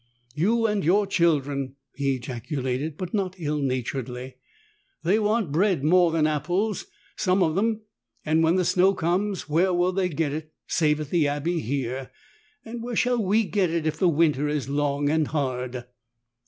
"You and your children!" he ejaculated, but not ill naturedly. "They want bread more than apples, some of them. And when the snow comes, where will they get it save at the abbey here? And where shall we get it if the winter is long and hard